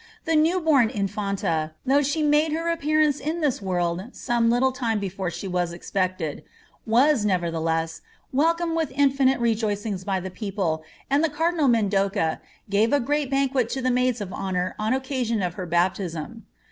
The new born infanta, though she made her ap pearance in this world some little time before she was expected, was, nevertheless, welcomed with infinite rejoicings by the people, and the cardinal Mendoca gave a great banquet to the maids of honour on occa sion of her baptism.